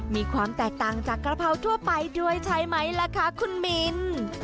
มีความแตกต่างจากกะเพราทั่วไปด้วยใช่ไหมล่ะคะคุณมิน